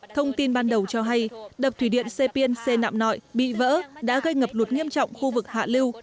thông tin ban đầu cho hay đập thủy điện sê piên sê nạm nội bị vỡ đã gây ngập lụt nghiêm trọng khu vực hạ lưu